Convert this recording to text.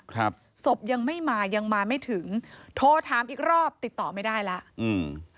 ศพยังไม่มายังมาไม่ถึงโทรถามอีกรอบติดต่อไม่ได้แล้วอืม